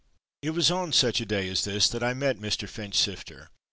It was on such a day as this that I met Mr. Finchsifter.